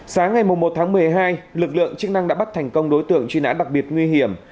sáng ngày một tháng một mươi hai lực lượng chức năng đã bắt thành công đối tượng truy nã đặc biệt nguy hiểm